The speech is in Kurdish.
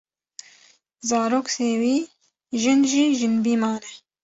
zarok sêwî, jin jî jinbî mane.